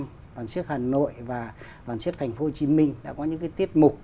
liên đoàn siết hà nội và liên đoàn siết thành phố hồ chí minh đã có những cái tiết mục